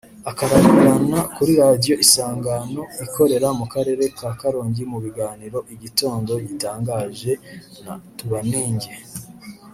akanakora kuri radiyo Isangano ikorera mu Karere ka Karongi mu biganiro “Igitondo gitangaje na tubanenge